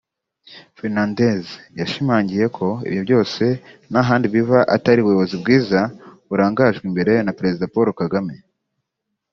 Fernandez yashimangiye ko ibyo byose nta handi biva atari ubuyobozi bwiza burangajwe imbere na Perezida Paul Kagame